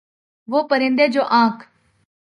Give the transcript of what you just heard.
وہ پرندے جو آنکھ